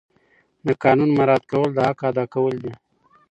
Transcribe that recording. د قانون مراعات کول د حق ادا کول دي.